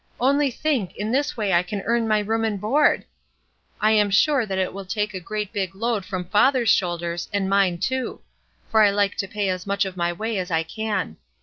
Only think, in this way I can earn my room and board! I am sure that will take a great big load from father's shoulders, and mine too; for I Uke to pay as much of my way as I can.